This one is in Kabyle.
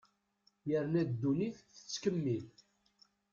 Yerna ddunit tettkemmil.